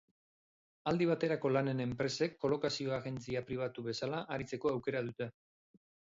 Aldi baterako lanen enpresek kolokazio agentzia pribatu bezala aritzeko aukera dute.